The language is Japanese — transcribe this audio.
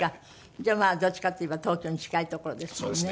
じゃあまあどっちかって言えば東京に近い所ですもんね。